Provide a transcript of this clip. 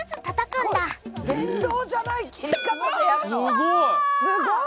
すごい！